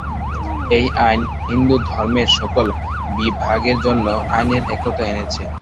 এই আইন হিন্দুধর্মের সকল বিভাগের জন্য আইনের একতা এনেছে।